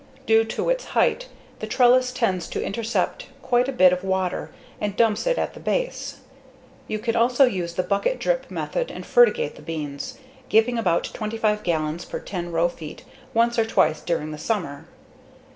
Due to its height, the trellis tends to intercept quite a bit of water and dumps it at the base. You can also use the bucket drip method and fertigate the beans, giving about 25 gallons per 10 row feet once or twice during the summer.